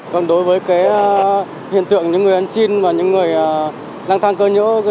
còn đối với cái hiện tượng những người ăn xin và những người lang thang cơ nhỡ